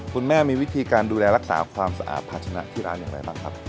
คุณแม่มีวิธีการดูแลรักษาความสะอาดภาชนะที่ร้านอย่างไรบ้างครับ